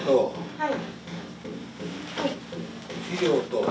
はい。